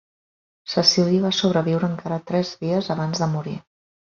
Cecília va sobreviure encara tres dies abans de morir.